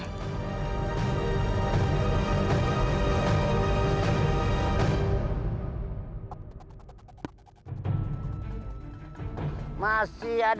aku akan menang